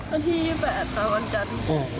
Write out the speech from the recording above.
วันที่๒๘ค่ะวันจันทร์